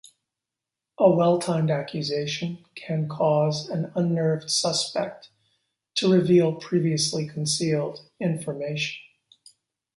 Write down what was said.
A well-timed accusation can cause an unnerved suspect to reveal previously concealed information.